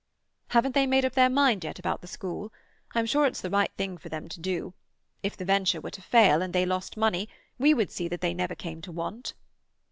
"Haven't they made up their mind yet about the school? I'm sure it's the right thing for them to do. If the venture were to fail, and they lost money, we would see that they never came to want."